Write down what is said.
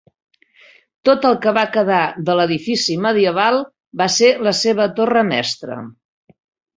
Tot el que va quedar de l'edifici medieval va ser la seva torre mestra.